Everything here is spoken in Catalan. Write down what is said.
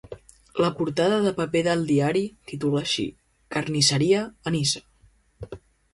La portada de paper del diari titula així: ‘Carnisseria a Niça’.